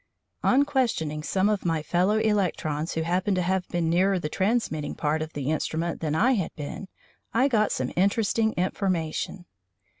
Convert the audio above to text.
On questioning some of my fellow electrons who happened to have been nearer the transmitting part of the instrument than I had been, I got some interesting information.